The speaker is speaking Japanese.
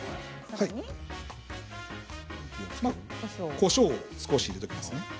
こしょうを少し入れていきますね。